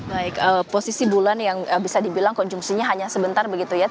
baik posisi bulan yang bisa dibilang konsumsinya hanya sebentar begitu ya